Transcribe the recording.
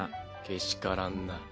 けしからんな。